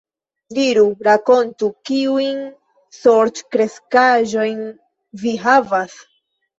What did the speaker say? Diru, rakontu, kiujn sorĉkreskaĵojn vi havas?